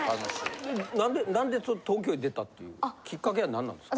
なんでなんで東京へ出たっていうきっかけは何なんですか。